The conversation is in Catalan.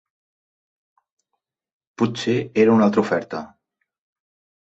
Potser era una altra oferta?